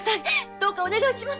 どうかお願いします！